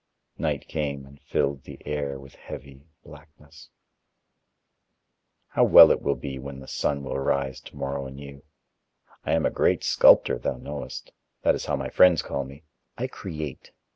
Night came, and filled the air with heavy blackness. "How well it will be, when the sun will rise to morrow anew.... I am a great sculptor, thou knowest; that is how my friends call me. I create.